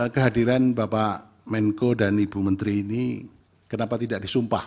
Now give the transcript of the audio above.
kehadiran bapak menko dan ibu menteri ini kenapa tidak disumpah